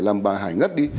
làm bà hải ngất đi